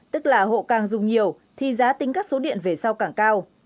tức là hộ càng dùng nhiều thì giá tính các số điện về sau càng cao